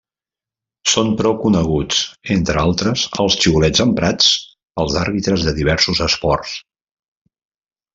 Són prou coneguts, entre altres, els xiulets emprats pels àrbitres de diversos esports.